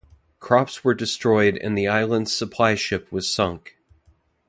Crops were destroyed and the island's supply ship was sunk.